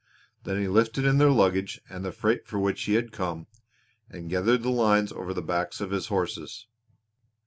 Then he lifted in their luggage and the freight for which he had come, and gathered the lines over the backs of his horses.